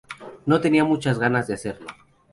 No tenía muchas ganas de hacerlo".